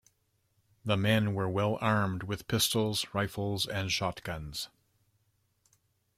The men were well armed with pistols, rifles and shotguns.